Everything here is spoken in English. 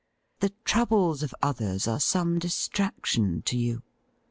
The troubles of others are some distraction to you.